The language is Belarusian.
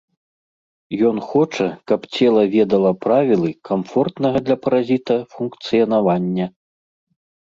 Ён хоча, каб цела ведала правілы камфортнага для паразіта функцыянавання.